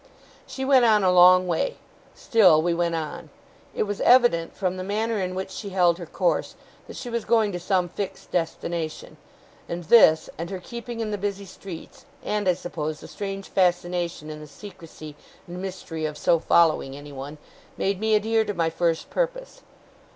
She went on a long way. Still we went on. It was evident, from the manner in which she held her course, that she was going to some fixed destination; and this, and her keeping in the busy streets, and I suppose the strange fascination in the secrecy and mystery of so following anyone, made me adhere to my first purpose.